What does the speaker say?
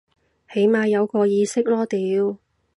起碼有個意識囉屌